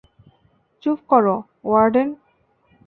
চুপ কর, ওয়ার্ডেন।